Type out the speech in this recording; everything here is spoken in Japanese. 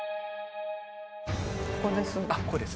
ここです。